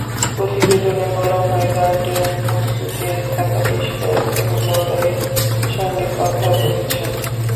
প্রতিবেদনে বলা হয়, গার্ডিয়ান হুমকিতে থাকা বেশ কয়েকজন ব্লগারের সঙ্গে কথা বলেছে।